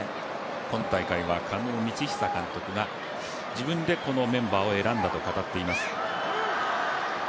今大会は狩野倫久監督が自分でこのメンバーを選んだと語っています。